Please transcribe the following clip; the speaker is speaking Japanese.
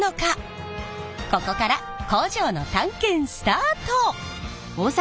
ここから工場の探検スタート！